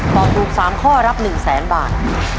ตอบถูก๓ข้อรับ๑แสนบาท